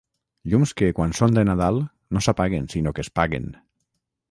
Llums que, quan són de Nadal, no s'apaguen sinó que es paguen.